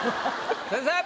先生！